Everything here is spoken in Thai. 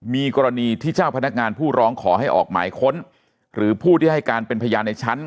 มีกรณีที่เจ้าพนักงานผู้ร้องขอให้ออกหมายค้นหรือผู้ที่ให้การเป็นพยานในชั้น